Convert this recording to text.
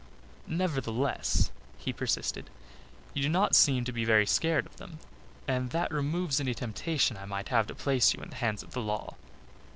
"Nevertheless," he persisted, "you do not seem to be very scared of them and that removes any temptation I might have to place you in the hands of the law.